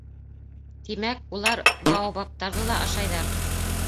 Тимәк, улар баобабтарҙы ла ашайҙар?